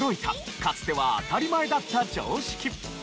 かつては当たり前だった常識。